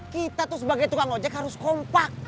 kita tuh sebagai tukang ojek harus kompak